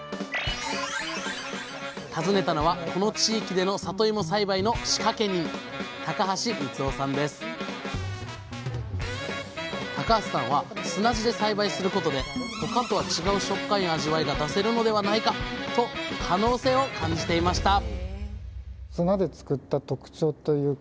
訪ねたのはこの地域でのさといも栽培の仕掛け人高橋さんは砂地で栽培することで「他とは違う食感や味わいが出せるのではないか？」と可能性を感じていました